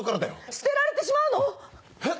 捨てられてしまうの⁉フッ！